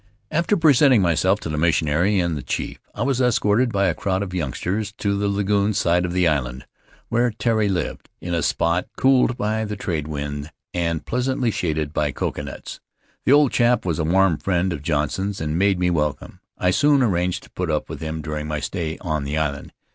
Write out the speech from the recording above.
' 'After presenting myself to the missionary and the chief I was escorted bv a crowd of voungsters to the lagoon side of the island, where Tairi lived, in a spot cooled by the trade wind and pleasantly shaded by coconuts. The old chap was a warm friend of John son's and made me welcome; I soon arranged to put up with him during my stay on the island.